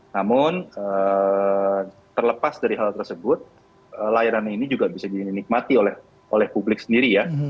namun terlepas dari hal tersebut layanan ini juga bisa dinikmati oleh publik sendiri ya